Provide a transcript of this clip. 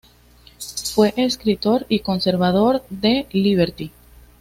Fue escritor "conservador" de "Liberty".